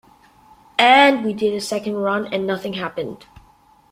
And we did a second run and nothing happened.